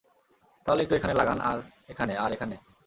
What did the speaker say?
তাহলে একটু এখানে লাগান, আর এখানে, আর এখানে।